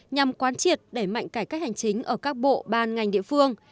nhằm quán triệt để mạnh cải cách hành chính ở các bộ ban ngành địa phương